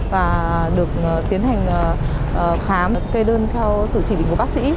và được tiến hành khám kê đơn theo sự chỉ định của bác sĩ